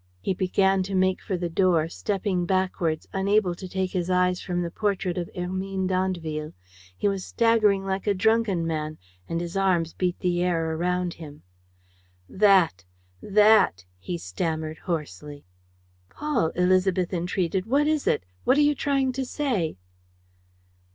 He began to make for the door, stepping backwards, unable to take his eyes from the portrait of Hermine d'Andeville. He was staggering like a drunken man; and his arms beat the air around him. "That ... that ..." he stammered, hoarsely. "Paul," Élisabeth entreated, "what is it? What are you trying to say?"